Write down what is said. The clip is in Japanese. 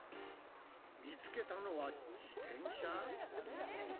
見つけたのは自転車？